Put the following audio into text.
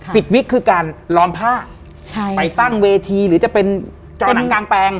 วิกคือการล้อมผ้าไปตั้งเวทีหรือจะเป็นกางแปลง